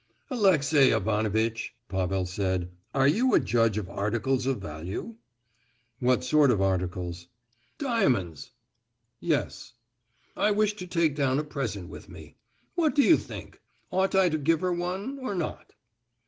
"Alexey Ivanovitch," Pavel said, "are you a judge of articles of value?" "What sort of articles?" "Diamonds." "Yes." "I wish to take down a present with me. What do you think? Ought I to give her one, or not?"